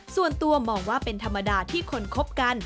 ส่วนตัวมองว่าเป็นธรรมดาที่คนคบกัน